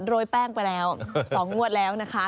โรยแป้งไปแล้ว๒งวดแล้วนะคะ